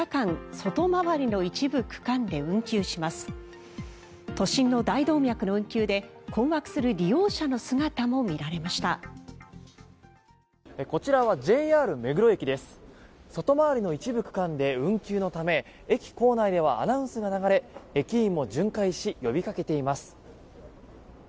外回りの一部区間で運休のため駅構内ではアナウンスが流れ、駅員も巡回し呼びかけています。